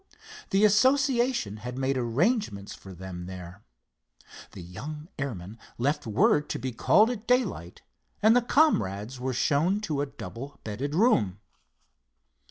The association had made arrangements for them there. The young airman left word to be called at daylight and the comrades were shown to a doubled bedded room.